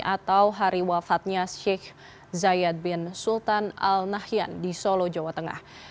atau hari wafatnya syekh zayad bin sultan al nahyan di solo jawa tengah